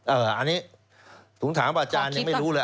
อันนี้ถุงถามอาจารย์ยังไม่รู้เลย